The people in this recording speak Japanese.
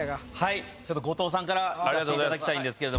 後藤さんから行かしていただきたいんですけど。